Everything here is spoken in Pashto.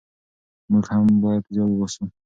موږ هم بايد زيار وباسو.